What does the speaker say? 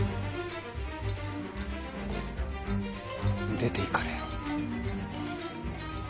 出ていかれよ。